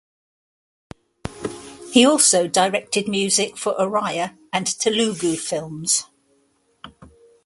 He also directed music for Oriya and Telugu films.